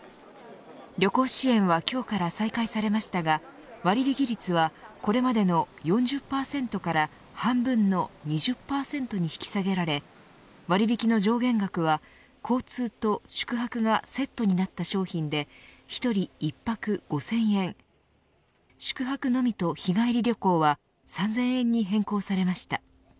旅行支援は今日から再開されましたが割引率は、これまでの４０％から半分の２０％に引き下げられ割引の上限額は交通と宿泊がセットになった商品で１人１泊５０００円宿泊のみと日帰り旅行は３０００円に変更されました。